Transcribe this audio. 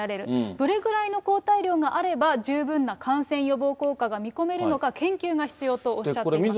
どれくらいの抗体量があれば、十分な感染予防効果が見込めるのか、研究が必要とおっしゃっています。